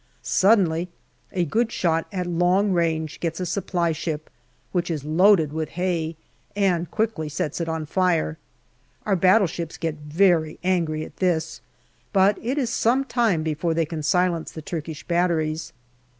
Suddenly a good shot at long range gets a supply ship, which is loaded with hay, and quickly sets it on fire. Our battle ships get very angry at this, but it is some time before they can silence the Turkish batteries.